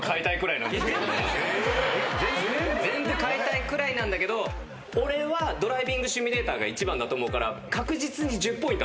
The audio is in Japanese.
全部変えたいくらいなんだけど俺はドライビングシミュレーターが１番だと思うから確実に１０ポイントは取りにいこう。